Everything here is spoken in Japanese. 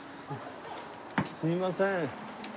すいません。